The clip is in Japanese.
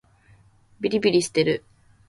びりびりしてる